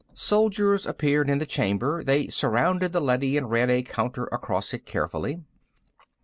Soldiers appeared in the chamber. They surrounded the leady and ran a counter across it carefully.